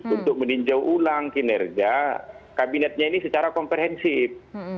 untuk meninjau ulang kinerja kabinetnya ini secara komprehensif